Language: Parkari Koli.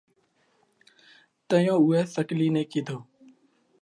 تئيون اُوئہ سڪلِي نئہ ڪِيڌو: